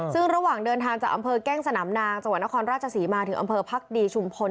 ซึ่งระหว่างเดินทางจากอำเภอแก้งสนามนางจังหวัดนครราชศรีมาถึงอำเภอพักดีชุมพล